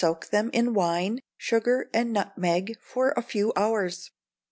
Soak them in wine, sugar, and nutmeg, for a few hours.